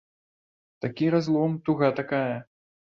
Такі разлом, туга такая!